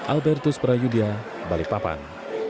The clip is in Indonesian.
albertus prayudya balikpapan